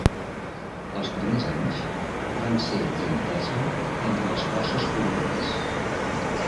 Els primers anys van ser d'entesa entre les forces polítiques.